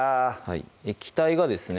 液体がですね